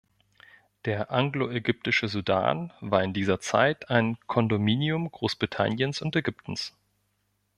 Der Anglo-Ägyptische Sudan war in dieser Zeit ein Kondominium Großbritanniens und Ägyptens.